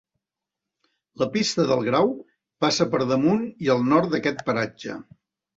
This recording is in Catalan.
La Pista del Grau passa per damunt i al nord d'aquest paratge.